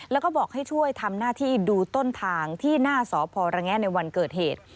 แล้วก็บอกให้ช่วยทำหน้าที่ดูต้นทางที่หน้าสพระแงะในวันเกิดเหตุ